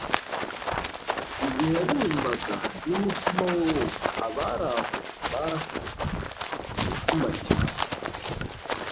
igihe yaririmbaga n'umutima we wose, abari aho barakoze ku mutima cyane